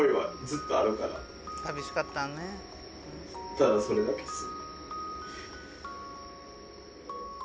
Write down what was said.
ただそれだけです。